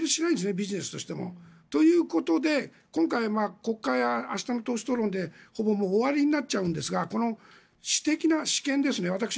ビジネスとしても。ということで、今回国会は明日の党首討論でほぼ終わりになっちゃうんですがこの私権ですね。